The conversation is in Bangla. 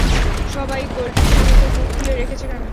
সবাই গোল্ডফিশের মতো মুখ খুলে রেখেছে কেন?